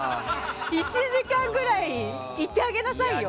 １時間ぐらいいてあげなさいよ！